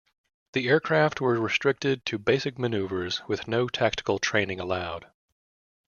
The aircraft were restricted to basic maneuvers with no tactical training allowed.